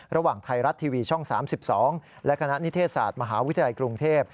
ระหว่างไทยรัฐทีวีช่อง๓๒และคณะนิเทศศาสตร์มหาวิทยาลัยกรุงเทพ